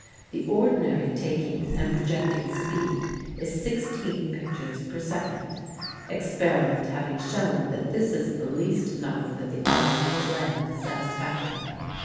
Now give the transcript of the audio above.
The ordinary taking and projecting speed is sixteen pictures per second, experiment having shown that this is the least number that the eye will blend satisfactorily.